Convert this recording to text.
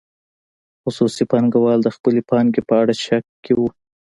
خصوصي پانګوال د خپلې پانګې په اړه شک کې وو.